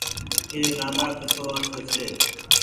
ڪه لآڏآ ڪسو آڇو ڇي